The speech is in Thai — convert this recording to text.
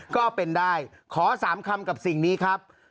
ก็เป็นได้ขอ๓คำกับสิ่งนี้ครับ